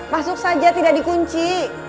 masuk saja tidak dikunci